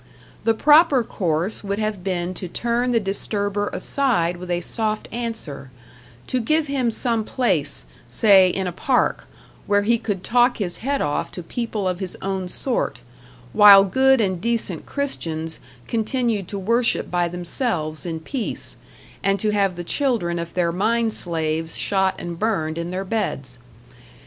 The proper course would have been to turn the disturber aside with a soft answer; to give him some place, say in a park, where he could talk his head off to people of his own sort, while good and decent Christians continued to worship by themselves in peace, and to have the children of their mine slaves shot and burned in their beds.